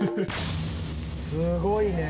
すごいね。